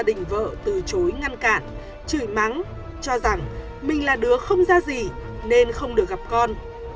gia đình vợ từ chối ngăn cản chửi mắng cho rằng mình là đứa không ra gì nên không được gặp con